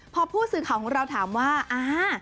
พอผู้สื่อข่าวของเราถามว่าอ่า